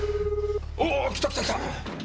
おお来た来た来た！